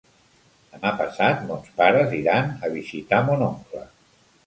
Demà passat mons pares iran a visitar mon oncle.